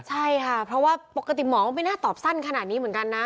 ใช่ค่ะเพราะว่าปกติหมอก็ไม่น่าตอบสั้นขนาดนี้เหมือนกันนะ